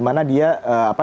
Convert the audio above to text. di mana dia di